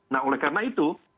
nah oleh karena itu